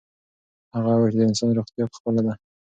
هغه وویل چې د انسان روغتیا په خپله ده.